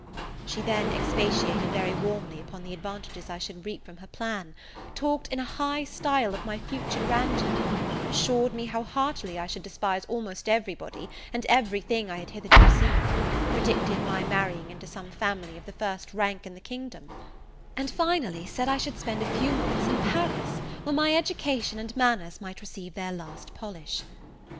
She then expatiated very warmly upon the advantages I should reap from her plan; talked in a high style of my future grandeur; assured me how heartily I should despise almost every body and every thing I had hitherto seen; predicted my marrying into some family of the first rank in the kingdom; and, finally, said I should spend a few months in Paris, where my education and manners might receive their last polish.